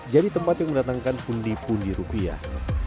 jadi tempat yang mendatangkan pundi pundi rupiah